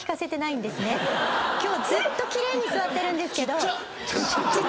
今日ずっと奇麗に座ってるんですけど。